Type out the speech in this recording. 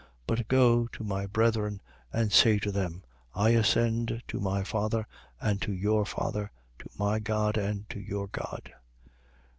But go to my brethren and say to them: I ascend to my Father and to your Father, to my God and to your God.